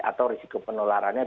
atau risiko penularannya